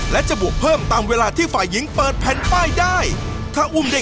เกมจะจบหยุดการแข่งขันทันที